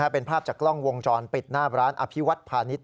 เป็นภาพจากกล้องวงจรปิดหน้าร้านอภิวัตพาณิชย